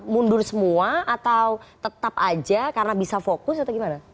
mundur semua atau tetap aja karena bisa fokus atau gimana